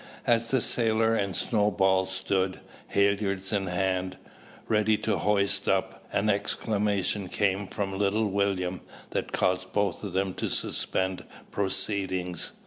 As the sailor and Snowball stood, halliards in hand, ready to hoist up, an exclamation came from little William, that caused both of them to suspend proceedings.